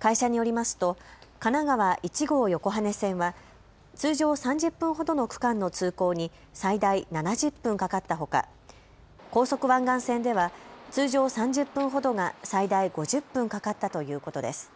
会社によりますと神奈川１号横羽線は通常３０分ほどの区間の通行に最大７０分かかったほか、高速湾岸線では通常３０分ほどが最大５０分かかったということです。